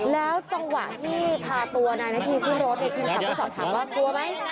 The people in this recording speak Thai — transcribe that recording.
แล้วจังหวะที่พาตัวนายนาธีขึ้นรถทีมข่าวก็สอบถามว่ากลัวไหม